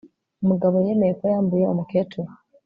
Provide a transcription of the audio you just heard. Umugabo yemeye ko yambuye umukecuru